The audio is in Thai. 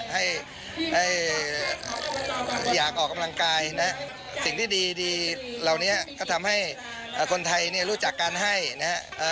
ให้อยากออกกำลังกายนะสิ่งที่ดีเหล่านี้ก็ทำให้คนไทยเนี่ยรู้จักการให้นะฮะ